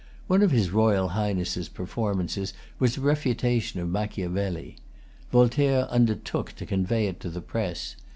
One of his Royal Highness's performances was a refutation of Machiavelli. Voltaire undertook to convey it to the press.